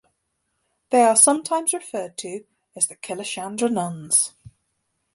They are sometimes referred to as the "Killeshandra Nuns".